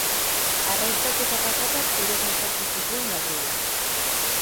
Arrautzak eta patatak uretan sartu zituen Gabrielak.